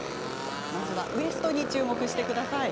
まずはウエストに注目してください。